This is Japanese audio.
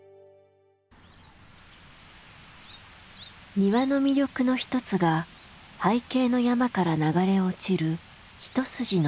庭の魅力の一つが背景の山から流れ落ちる一筋の滝。